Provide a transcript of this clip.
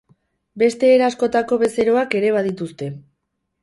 Beste era askotako bezeroak ere badituzte.